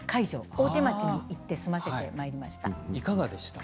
大手町に行って済ませてまいりました。